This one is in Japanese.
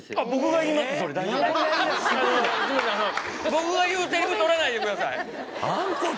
僕が言うセリフ取らないでください